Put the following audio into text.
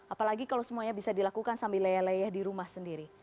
apalagi kalau semuanya bisa dilakukan sambil leh leyeh di rumah sendiri